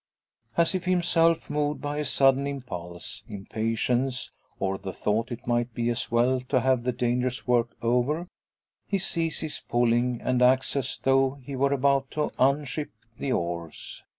As if himself moved by a sudden impulse impatience, or the thought it might be as well to have the dangerous work over he ceases pulling, and acts as though he were about to unship the oars.